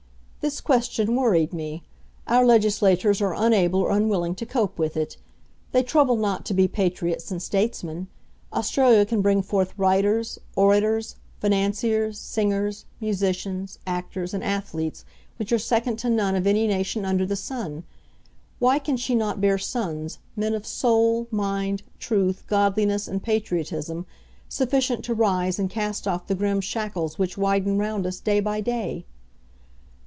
This question worried me. Our legislators are unable or unwilling to cope with it. They trouble not to be patriots and statesmen. Australia can bring forth writers, orators, financiers, singers, musicians, actors, and athletes which are second to none of any nation under the sun. Why can she not bear sons, men of soul, mind, truth, godliness, and patriotism sufficient to rise and cast off the grim shackles which widen round us day by day?